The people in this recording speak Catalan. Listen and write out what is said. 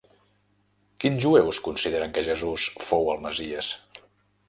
Quins jueus consideren que Jesús fou el messies?